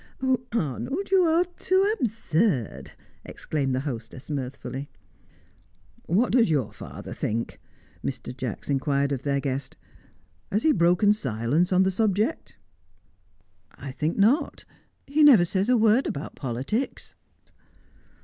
"Arnold, you are too absurd!" exclaimed the hostess mirthfully. "What does your father think?" Mr. Jacks inquired of their guest. "Has he broken silence on the subject?" "I think not. He never says a word about politics."